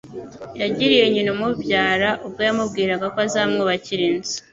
yagiriye nyina umubyara, ubwo yamubwiraga ko azamwubakira inzu